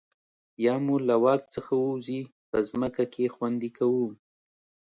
یا مو له واک څخه ووځي په ځمکه کې خوندي کوو.